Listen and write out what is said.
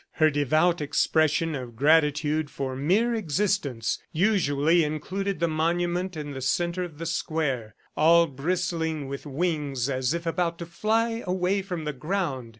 Her devout expression of gratitude for mere existence usually included the monument in the centre of the square, all bristling with wings as if about to fly away from the ground.